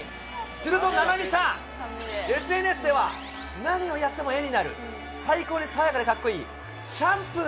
すると菜波さん、ＳＮＳでは何をやっても絵になる、最高に爽やかでかっこいい。